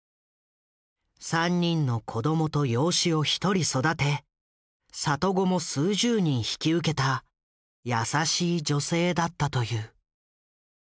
３人の子供と養子を１人育て里子も数十人引き受けた優しい女性だったという。